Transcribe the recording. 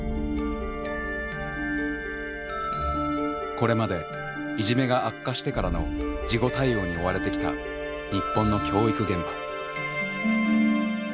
これまでいじめが悪化してからの事後対応に追われてきた日本の教育現場。